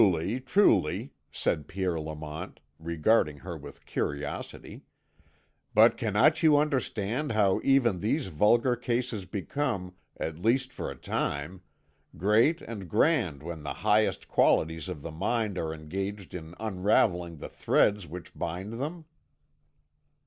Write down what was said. "Truly, truly," said Pierre Lamont, regarding her with curiosity; "but cannot you understand how even these vulgar cases become, at least for a time, great and grand when the highest qualities of the mind are engaged in unravelling the threads which bind them?"